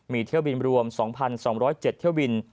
มีเที่ยวบินรวม๒๒๐๗เที่ยวบิน